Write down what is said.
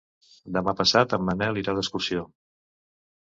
Demà passat en Manel irà d'excursió.